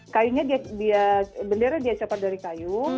kayunya dia bendera dia cepat dari kayu